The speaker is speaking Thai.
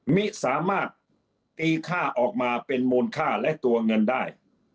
มิสามารถตีค่าออกมาเป็นมูลค่าและตัวเงินได้